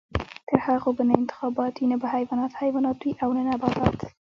تر هغو به نه انتخابات وي، نه به حیوانات حیوانات وي او نه نباتات.